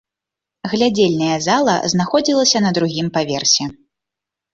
Глядзельная зала знаходзілася на другім паверсе.